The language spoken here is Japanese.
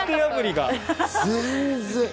全然。